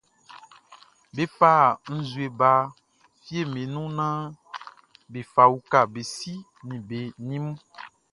Be fa nzue ba fieʼm be nun naan be fa uka be si ni be ni mun.